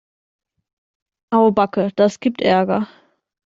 Au backe, das gibt Ärger.